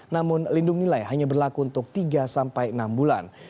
namun lindung nilai hanya berlaku untuk tiga sampai enam bulan